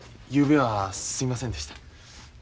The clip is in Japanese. ゆうべはすいませんでした。